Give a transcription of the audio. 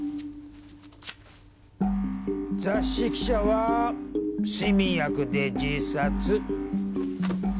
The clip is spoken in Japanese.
雑誌記者は睡眠薬で自殺。